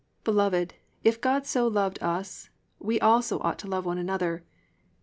(11) Beloved, if God so loved us, we also ought to love one another.